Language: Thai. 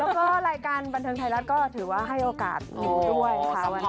แล้วก็รายการบันเทิงไทยรัฐก็ถือว่าให้โอกาสอยู่ด้วยค่ะวันนี้ค่ะ